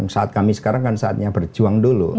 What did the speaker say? saat kami sekarang kan saatnya berjuang dulu